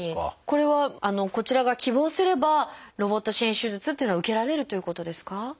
これはこちらが希望すればロボット支援手術っていうのは受けられるということですか？